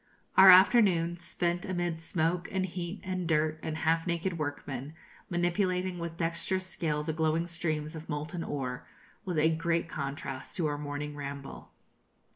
Our afternoon, spent amid smoke, and heat, and dirt, and half naked workmen, manipulating with dexterous skill the glowing streams of molten ore, was a great contrast to our morning ramble.